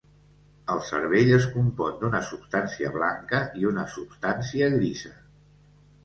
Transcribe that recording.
El cervell es compon d'una substància blanca i una substància grisa.